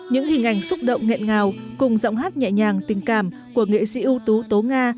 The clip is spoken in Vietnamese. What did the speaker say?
những hình ảnh xúc động nghẹn ngào cùng giọng hát nhẹ nhàng tình cảm của nghệ sĩ ưu tú tố nga